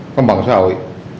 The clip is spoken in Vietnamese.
công bằng xã hội